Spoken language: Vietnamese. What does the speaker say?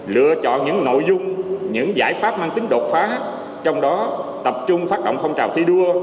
lựa chọn những nội dung những giải pháp mang tính đột phá trong đó tập trung phát động phong trào thi đua